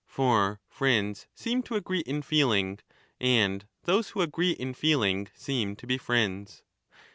For friends seem to agree in feeling, and those who agree 15 in feeling seem to be friends.